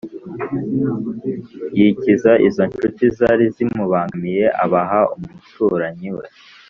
yikiza izo ncuti zari zimubangamiye abaha umuturanyi we?